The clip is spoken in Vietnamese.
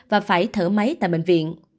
và phải thở máy tại bệnh viện